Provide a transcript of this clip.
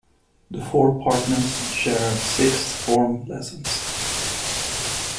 The four partners share Sixth Form lessons.